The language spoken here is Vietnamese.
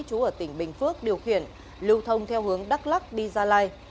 chú ở tỉnh bình phước điều khiển lưu thông theo hướng đắk lắc đi gia lai